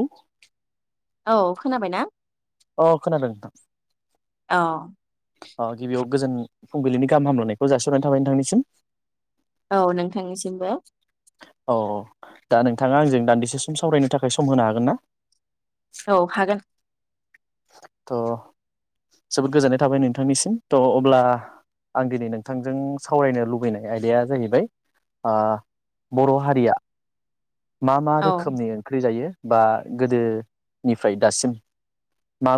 औ। औ खोनाबाय ना। अ' खोनादों नोंथां। औ। अ' गिबियाव गोजोन फुंबिलिनि गाहाम हामल'नायखौ जासिहरनानै थाबाय नोंथांनिसिम। औ नोंथांनिसिमबो। औ दा नोंथाङा आंजों दान्दिसेसम सावरायनो थाखाय सम होनो हागोन ना। औ हागोन। थ' जोबोद गोजोननाय थाबाय नोंथांनिसिम थ' अब्ला आं दिनै नोंथांजों सावरायनो लुुबैनाय आयदाया जाहैबाय ओ बर' हारिया। मा मा औ रोखोमनि ओंख्रि जायो। बा गोदो निफ्राय दासिम।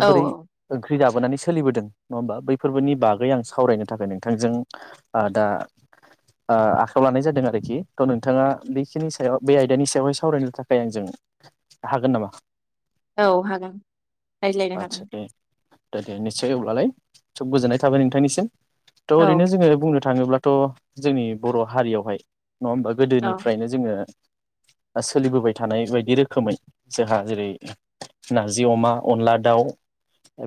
औ ओं ख्रि जाबोनानै सोलिबोदों नङा होमबा बैफोरबोनि बागै आं सावरायनो थाखाय नोंथांजों ओ दा ओ आखायाव लानाय जादों आरोखि थ'' नोंथाङा बेखिनि सायाव बे आय दानि सायावहाय सावरायनो थाखाय आंजों हागोन नामा? औ हागोन रायज्लायनो आदसा हागोन। दे दे दे निस्सय अब्लालाय सोब गोजोननाय थाबाय नोंथांनिसिम। थ' औ ओरैनो जोङो बुंनो थाङोब्लाथ' जोंनि बर' हारियावहाय नङा होमबा औ गोदोनिफ्रायनो जोङो ओ सोलिबोबाय थानाय बायदि रोखोमै जोंहा जेरै नारजि अमा अनला दाउ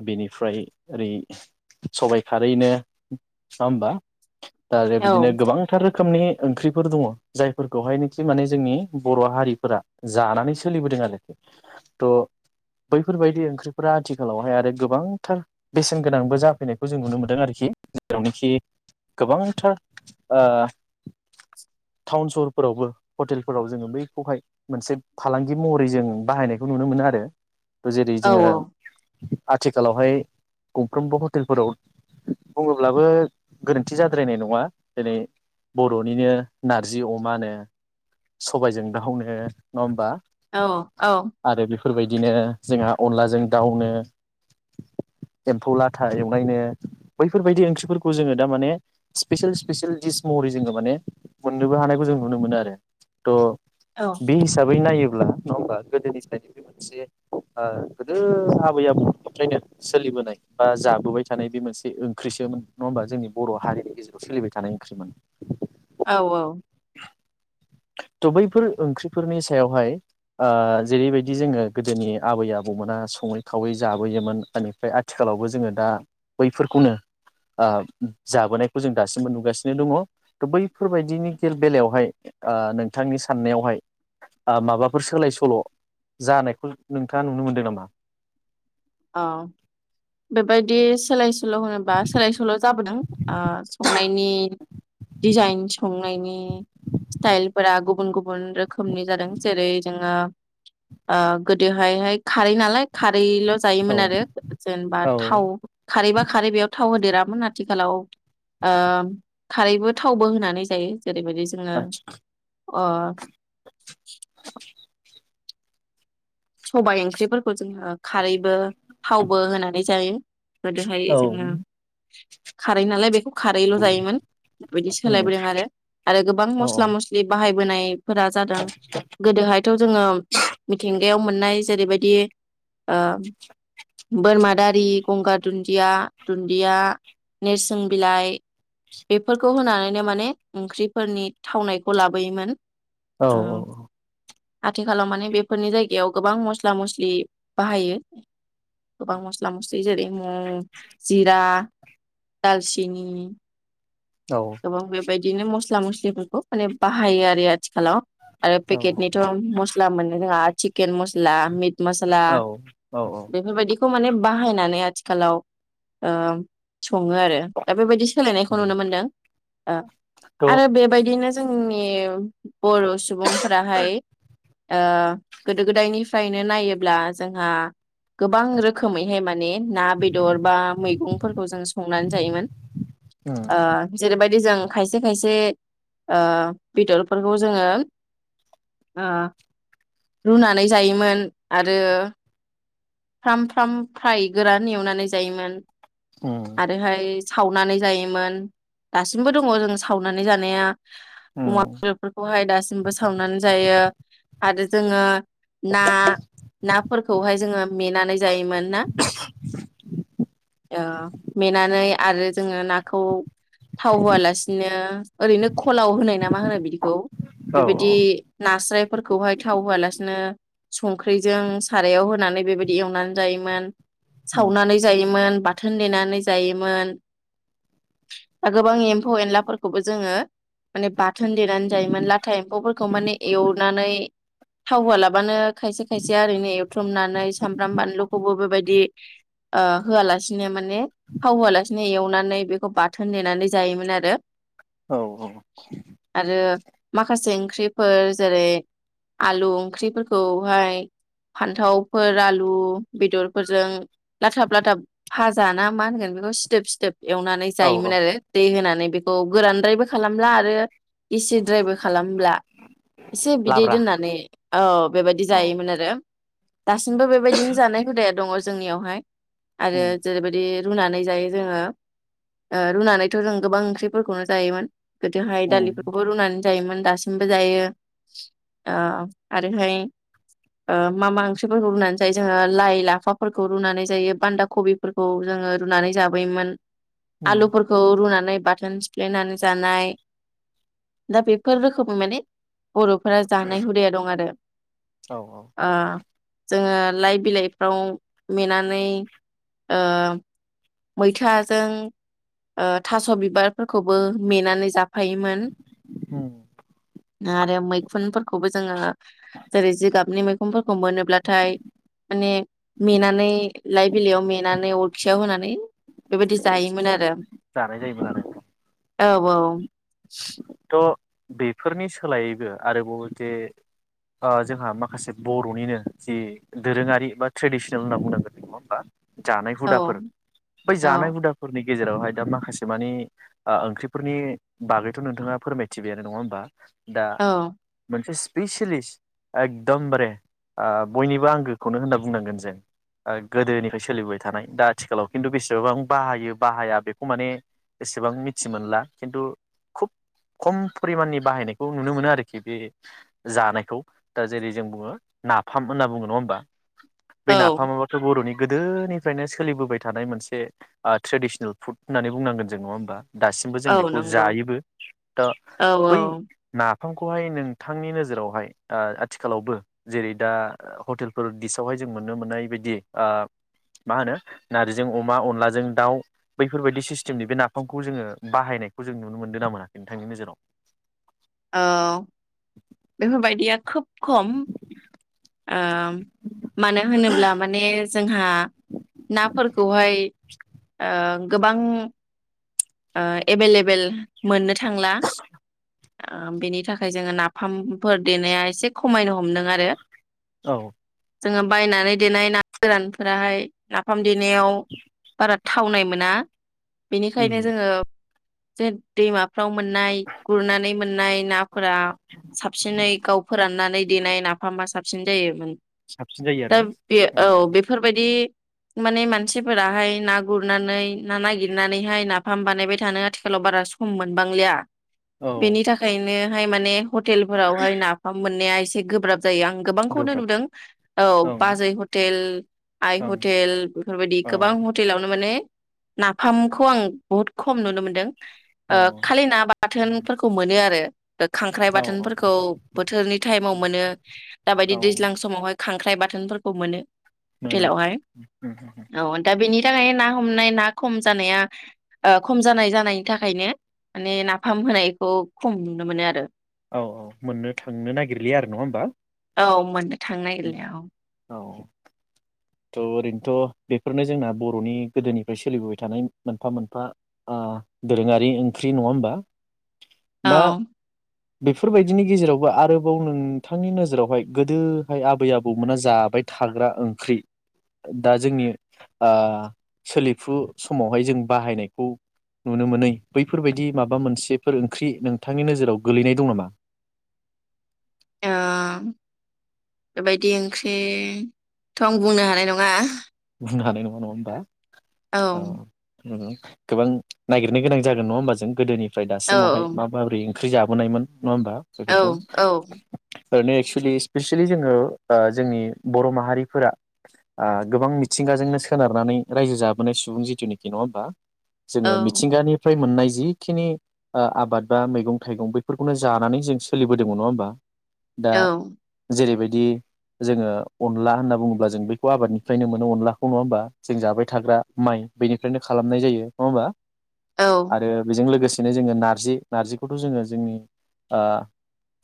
बेनिफ्राय ओरै सबायाइ खारैनो नङा होनबा? आरो औ बिदिनो गोबांथार रो खोमनि ओंख्रिफोर दङ जायफोरखौहायनिखे माने जोंनि बर' हारिफोरा जानानै सोलिबोदों आरोखि थ' बैफोरबायदि ओंख्रिफोरा आथिखालावहाय आरो गोबांथार बेसेनगोनांबो जाफैनायखौ जों नुनो मोनदों आरोखि जेरावनोखि गोबांथार ओ टाउन सहरफोरावबो हटेलफोराव जोङो बैखौहाय मोनसे फालांगि महरै जों बाहायनायखौ नुनो मोनो आरो। जेरै औ जोङो औ आथिखालावहाय गंफ्रोमबो हटेलफोराव बुङोब्लाबो गोरोन्थि जाद्रायनाय नङा जेरै बर'निनो नारजि अमानो सबायजों दावनो नङा होनबा? औ औ फोरबायदिनो जोंहा अनलाजों दाउनो एम्फौ लाथा एवनायनो बैफोरबायदि ओंख्रिफोरखौ जोङो दा माने स्पेसेयेल स्पेसियेल दिस महरै जोङो माने मोननोबो हानायखौ जों नुनो मोनो आरो। थ' औ बे हिसाबै नायो ब्ला नङा होमबा गोदोनिफ्रायनो बे मोनसे ओ गोदो आबै-आबौनिफ्रायनो सोलिबोनाय बा जाबोबाय थानाय बे मोनसे ओंख्रिसोमोन नङा होमबा जोंनि बर' हारिनि गेजेराव सोलिबाय थानाय ओंख्रिमोन। औ औ थ' बैफोर ओंख्रिफोरनि सायावहाय ओ जेरैबायदि जोङो गोदोनि आबै-आबौमोना सङै खावै जाबोयोमोन ओनिफ्राय आथिखालावबो जोङो दा बैफोरखौनो ओ जाबोनायखौ जों दासिमबो नुगासिनो दङ थ' बैफोरबायदिनि बेलायावहाय ओ नोंथांनि साननायावहाय आ माबाफोर सोलाय सोल' जानायखौ नोंथाङा नुनो मोनदों नामा? औ बेबायदि सोलाय सो ल' होनोबा सोलाय सोल' जाबोदों ओ संनाय नि दिजाइन संनायनि स्तायलफोरा गुबुन गुबुन रोखोमनि जादों जेरै जोङो ओ गोदोहाय हाय खारै नालाय खारैल औ जायोमोन आरो जेनेबा औ थाव खारैबा खारै बेयाव थाव होदेरामोन आथिखालाव ओ खारैबो थावबो होनानै जायो। जेरैबायदि जोङो अ सबायाइ ओंख्रिफोरखौ जोङो खारैबो थावबो होनानै जायो। गोदोहाय औ जोङो खारै नालाय बेखौ खारैल' जायोमोन बिदि उम सोलायबोदों आरो गोबां औ मसला मस्लि बाहाय बोनाय फोरा जादों गोदोहायथ' जोङो मिथिंग गायाव मोननाय जेरैबायदि ओ बोरमा दारि, गंगार दुन्दिया, दुन्दिया, नेरसिं बिलाइ बेफोरखौ होनानैनो माने ओंख्रिफोरनि थावनायखौ लाबोयोमोन। औ ओ औ। आथिखालाव माने बेफोरनि जाय गायाव गोबां मस्ला मस्लि बाहायो। गोबां मस्ला मस्लि जेरै म' जिरा दालसिनि औ। बायदिनो मस्ला मस्लिफोरखौ माने बाहायो आरो आथिखालाव। आरो औ पेकेटनिथ' मस्ला मोनो [unintelligible] चिकेन मसला मित मस्ला औ औ बेफोरबायदिखौ माने बाहायनानै आथिखालाव ओ सङो आरो दा बेबायदि सोलायनायखौ नुनो मोनदों। ओ थ' आरो बेबायदिनो जों फुंनि बर' सुबुंफोराहाय ओ गोदो गोदायनिफ्रायनो नायोब्ला जोंहा गोबां रोखोमैहाय माने ना बेदर बा मैगंफोरखौ जों संनानै जायोमोन। उम आ जेरैबाय जों खायसे खायसे ओ बेदरफोरखौ जोङो ओ रुनानै जायोमोन आरो फ्राम फ्राम फ्राय गोरान एवनानै जायोमोन। उम आरोहाय सावनानै जायोमोन दासिमबो दङ' जों सावनानै जानाया। अमा उम बेदरफोरखौहाय दासिमबो सावनानै जायो आरो जोङो ना ना फोरखौहाय जोङो मेनानै जायोमोन ना? अ मेनानै आरो जोङो नाखौ थाव होआलासिनो ओरैनो खलाव होनाय ना मा होनाय बिदिखौ औ बेबायदि नास्राय फोरखौ हाय थाव होआ लासिनो संख्रैजों सारायाव होनानै बेबादि एवनानै जायोमोन सावनानै जायोमोन बाथोन देनानै जायोमोन गोबां एम्फौ एनलाफोरखौबो जोङो माने बाथोन देनानै जायोमोन लाथा एम्फौफोरखौ माने एवनानै थाव होआलाबानो खायसे खायसे ओरैनो एवथ्रुमनानै सामब्राम बानलुखौबो बेबायदि ओ होआलासिनो माने थाव होआलासिनो एवनानै बेखौ बाथोन देनानै जायोमोन आरो औ औ आरो माखासे ओंख्रिफोर जेरै आलु ओंख्रिफोरखौहाय फान्थावफोर आल लु बेदरफोरजों लाथाब लाथाब फाजाना मा होनगोन बेखौ सिदोब सिदोब एवनानै औ औ जायोमोन आरो दै होनानै बेखौ औ गोरानद्रायबो खालामला आरो गिसि द्रायबो खालामला एसे बिदै लाब्रा दोननानै औ बेबायादि औ जायोमोन आरो दासिमबो बे बेबायदिनो जानाय हुदाया दङ जोंनियावहाय आरो उम जेरैबायदि रुनानै जायो जोङो ओ रुनानैथ जों गोबां ओंख्रिफोरखौनो जायोमोन गोदोहाय उम दालिफोरखौबो रुनानै जायोमोन दासिमबो जायो ओ आरोहाय ओ मा मा ओंख्रिफोरखौ रुनानै जायो जोङो लाइ लाफाफोरखौ रुनानै जायो बान्दा कबिफोरखौ जोङो रुनानै जाबोयोमोन उम आलुफोरखौ रुनानै बाथोन सिफ्लेनानै जानाय दा बेफोर रोखोमै माने बरफोरा जानाय हुदाया दं आरो औ औ ओ जोङो लाइ बिलाइफ्राव मेनानै ओ मैथाजों ओ थास बिबारफोरखौबो मेनानै जाफायोमोन उम आरो मैखुनफोरखौबो जोङो जेरै जिगाबनि मैखुनफोरखौ मोनोब्लाथाय माने मेनानै लाइ बिलाइयाव मेनानै अरखियाव होनानै बेबायदि जायोमोन आरो जानाय जायोमोन आरो औ औ थ बेफोरनि सोलायैबो आरोबाव जे ओ जोंहा माखासे बरनिनो जि दोरोङारि बा ट्रेडिसनेल होनना बुंनांगोनदों नङा होमबा जानाय औ हुदाफोर बै जानाय हुदाफोरनि गेजेरावहाय दा माखासे मानि ओ ओंख्रिफोरनि बागैथ नोंथाङा फोरमायथिबाय आरो नङा होमबा दा औ मोनसे सि बैसिलिस्त एकदमबारे बयनिबो आंगोखौनो होनना बुंनांगोन जों गोदोनिफ्राय सोलिबोबाय थानाय दा आथिखालाव खिन्थु बेसेबबां बाहायो बाहाया बेखौ माने बेसेबां मिथि मोनला खिन्थु खुब खम फरिमाननि बाहायनायखौ नुनो मोनो आरोखि बे जानायखौ दा जेरै जों बुङो नाफाम होनना बुङो नङा होमबा बे औ नाफामाबोथ बरनि गोदोनिफ्रायनो सोलिबोबाय थानाय मोनसे ओ ट्रेडिसनेल फुड होननानै बुंनांगोन जों नङा होमबा दासिमबो जों औ बेखौ नंगौ जायोबो दा औ बै औ ना नाफामखौहाय नोंथांनि नोजोरावहाय ओ आथिखालावबो जेरै दा हटेलफोर दिसावहाय जों नुनो मोननाय बायदि ओ मा होनो नारजिजों अमा अनलाजों दाउ बैफोरबायदि सिस्टेमनि बे नाफामखौ जोङो बाहायनायखौ जों नुनो मोनदो ना मोना? नोंथांनि नोजोराव औ बेफोरबायदिया खोब खम ओ मानो होनोब्ला माने जोंहा नाफोरखौहाय ओं बां ओ एभेलेबेल मोननो थ थांला ओ बेनि थाखाय जोङो नाफामफोर देनाया एसे खमायनो हमदों आरो औ जोङो देनायाव बारा थावनाय मोना उम बिदिनो जोङो जे दैमा फ्राव मोननाय गुरनानै मोननाय नाफोरा साबसिनै गाव फोराननानै देनाय नाफामा सासब साबसिन जायोमोन साबसिन जायो दा बे आरो औ बेफोरबायदि माने मानसिफोराहाय ना गुरनानै ना नागिरनानैहाय ना फाम बानायबाय थानो आथिखालाव बारा सम मोनबांलिया औ बेनि थाखायनो थाखाय माने हटेलफोरावहाय नाफाम मोननाया एसे गोब्राब जायो आं गोबांखौनो गोब्राब नुदों औ ओं बाजै हटेल आइ ओं हटेल बेफोरबायदि औ गोबां हटेलावनो माने नाफामखौ आं बहुद खम नुनो मोन्दों औ ओ खालि ना बाथोनफोरखौ मोनो आरो खांख्राइ औ बाथोनफोरखौ बोथोरनि टाइमाव मोनो दाबायदि औ दैज्लां समावहाय खांख्राइ बाथोनफोरखौ मोनो मोनो हटेलावहाय औ दा बेनि खानाय ना हमनाय ना खम जानाया ओ खम जानाय जानायनि थाखायनो माने नाफाम होनायखौ खम नुनो मोनो आरो औ औ मोननो थांनो नागिरलिया आरो नङा होमबा? औ मोनो थां नागिरलिया औ औ थ' ओरैनोथ' बेफोरनो जोंना बर'नि गोदोनिफ्राय सोलिबोबाय थानाय मोनफा मोनफा ओ दोरोङारि ओंख्रि नङा होमबा? औ दा बेफोरबायदिनि गेजेरावबो आरोबाव नोंथांनि नोजोरावहाय गोदोहाय आबै आबौमोना जाबाय थाग्रा ओंख्रि दा जोंनि ओ सोलिफु समावहाय जों बाहायनायखौ नुनो मोनै बैफोरबायदि माबा मोनसेफोर ओंख्रि नोंथांनि नोजोराव गोलैनाय दं नामा? ओ बेबायदि ओंख्रिथ' आं बुंनो हानाय नङा। बुंनो हानाय नङा नङा होमबा? औ उम गोबां नागिरनो गोनां जागोन नङा होमबा जों गोदोनि फ्राय औ दासिमावहाय मा बाब्रिं ओंख्रि जाबोनायमोन नङा होमबा बेफोरखौ औ ओरैनो एक्सुेलि स्पेसियेलि जोङो ओ जोंनि बर' माहारिफोरा ओ गोबां मिथ थिंगाजोंनो सोनारनानै रायजो जाबोनाय सुबुं जिथुनाखि नङा होमबा? औ जोङो मिथिंगानिफ्राय मोननाय जिखिनि ओ आबाद बा मैगं थाइगं बेफोरखौनो जानानै जों सोलिबोदोंमोन नङा होमबा? दा औ जेरैबायद दि जोङो अनला होनना बुङोब्ला जों बेखौ आबादनिफ्रायनो मोन नो अनलाखौ नङा होमबा जों जाबाय थाग्रा माइ बेनिफ्रायनो खालामनाय जायो नङा होमबा? औ आरो बेजों लोगोसे बिनो जोङो नारजि नारजिखौथ' जोङो जोंनि ओ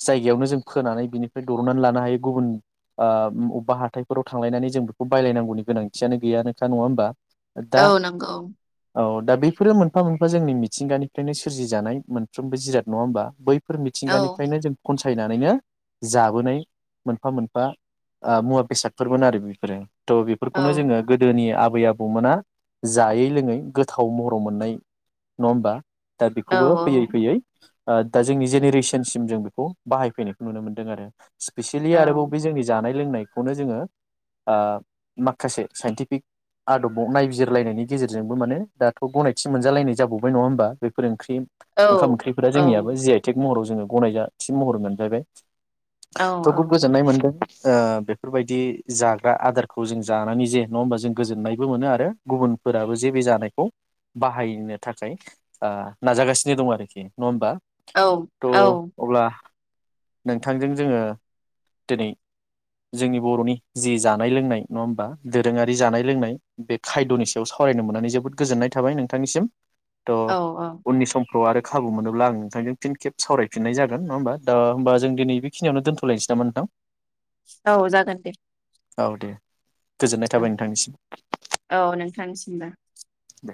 जायगायावनो जों फोनानै बिनिफ्राय दरननानै लानो हायो गुबुन ओ बबेबा हाथाइफोराव थांलायनानै जों बेखौ बायलायनांगौनि गोनांथियानो गैया नोंथां नङा होमबा? दा औ नंगौ। औ दा बेफोरो मोनफा मोनफा जोंनि मिथिंगानिफ्रायनो सोरजिजानाय मोनफ्रोमबो जिराद नङा होमबा बै फोर औ मिथिंगानिफ्रायनो जों खनस थायनानैनो जाबोनाय मोनफा मोनफा ओ मुवा बेसादफोरमोन आरो बेफोरो थ औ फोरखौनो जोङो गोदोनि आब बै आबौमोना जायै लोङै गोथाव महराव मोननाय नङा होमबा? दा औ बेखौबो फैयै फैयै ओ दा जोंनि जेनेरेसनसिम जों बेखौ बाहायफैनायखौ नुनो मोनदों आरो। स्पेसियेलि औ आरोबाव बे जोंनि जानाय लोंनायखौनो जोङो ओ माखासे साइन्टिफिक आदबाव नायबिजिरलायनायनि गेजेरजोंबो माने दाथ' गनायथि मोनजालायनाय जाबावबाय नङा होमबा बेफोर ओंख्रि औ ओंखाम ओंख्रिफोरा जोंनियाबो जे आइ टिक महराव ज जोङो गनायजाथि महर मोनलायनाय। थ' खुब गोजोननाय मोन्दों। ओ बेफोरबायदि जाग्रा आदारखौ खौ जों जानानै जे नङा होमबा जों गोजोननायबो मोनो आरो गुबुनफोराबो जे बे जानायखौ बाहायनो थाखाय ओ नाजागासिनो दं आरोखि नङा होमबा? औ थ' अब्ला नोंथांजों जोङो दिनै जोंनि बर'नि जि जानाय लोंनाय नङा होमबा दोरोङारि जानाय लोंनाय बे खायद'नि सायाव सावरायनो मोननानै जोबोद गोजोननाय थाबाय नोंथांनिसिम। त' औ उननि‌ सम खौ आरो खाबु मोनोब्ला आं नोंथांजों फिन खेब सावरायफिननाय जागोन नङा होमबा थ दा होमबा जों दिनै बेखिनियावनो दोन्थ'लायनोसै नामा नोंथां? औ जागोन दे। औ दे। गोजोननाय थाबाय औ नोंथांनिसिम। औ नोंथांनिसिमबो दे